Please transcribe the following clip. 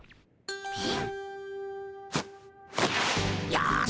よし！